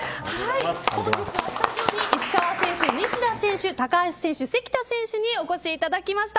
本日は、スタジオに石川選手、西田選手高橋選手、関田選手にお越しいただきました。